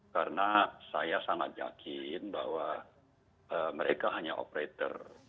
karena saya sangat yakin bahwa mereka hanya operator